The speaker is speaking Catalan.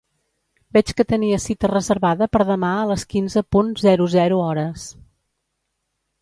Veig que tenia cita reservada per demà a les quinze punt zero zero hores.